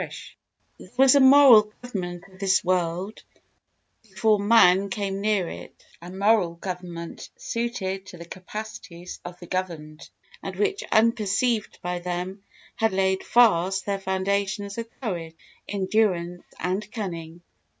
There was a moral government of this world before man came near it—a moral government suited to the capacities of the governed, and which, unperceived by them, has laid fast the foundations of courage, endurance and cunning.